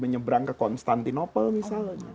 menyebrang ke konstantinopel misalnya